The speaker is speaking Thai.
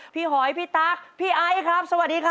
พี่หอยพี่ตั๊กพี่ไอ้ครั้งสวัสดีครับ